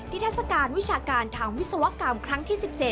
ทัศกาลวิชาการทางวิศวกรรมครั้งที่๑๗